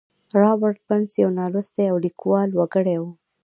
رابرټ برنس یو نالوستی او کلیوال وګړی و